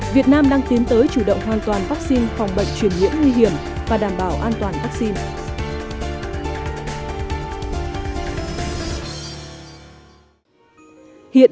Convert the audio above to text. việt nam đang tiến tới chủ động hoàn toàn vắc xin phòng bệnh truyền nhiễm nguy hiểm và đảm bảo an toàn vắc xin